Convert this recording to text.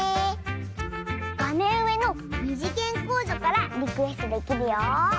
がめんうえのにじげんコードからリクエストできるよ！